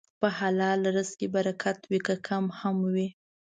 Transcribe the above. په حلال رزق کې برکت وي، که کم هم وي.